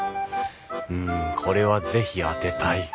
うんこれは是非当てたい。